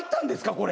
これ。